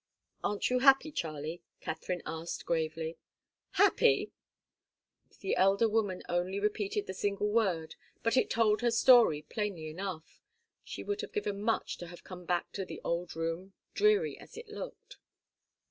"Aren't you happy, Charlie?" Katharine asked, gravely. "Happy!" The elder woman only repeated the single word, but it told her story plainly enough. She would have given much to have come back to the old room, dreary as it looked.